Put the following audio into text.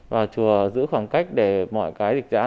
và chùa giữ khoảng cách để mọi cái định dạng